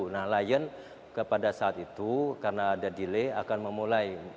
nah lion pada saat itu karena ada delay akan memulai